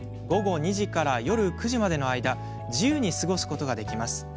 午後２時から夜の９時の間自由に過ごすことができます。